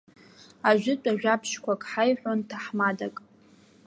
Ажәытә ажәабжьқәак ҳаиҳәон ҭаҳмадак.